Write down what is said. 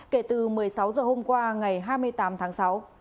kể từ một mươi sáu h hôm qua ngày hai mươi tám tháng sáu